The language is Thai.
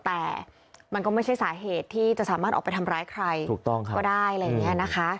แต่มันก็ไม่ใช่สาเหตุที่จะสามารถออกไปทำร้ายใครก็ได้